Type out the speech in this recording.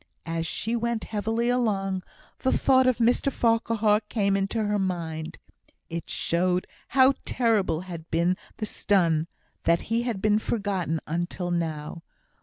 As she went heavily along, the thought of Mr Farquhar came into her mind. It showed how terrible had been the stun, that he had been forgotten until now.